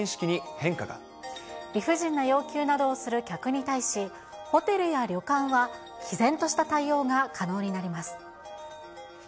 理不尽な要求などをする客に対し、ホテルや旅館はきぜんとした対応が可能になります。